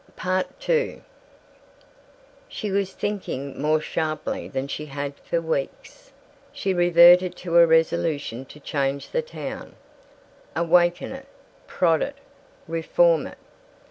II She was thinking more sharply than she had for weeks. She reverted to her resolution to change the town awaken it, prod it, "reform" it.